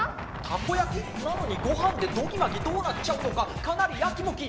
たこ焼きなのにごはんでドギマギどうなっちゃうのかかなりヤキモキ。